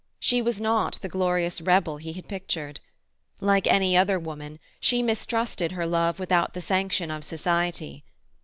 She was not the glorious rebel he had pictured. Like any other woman, she mistrusted her love without the sanction of society.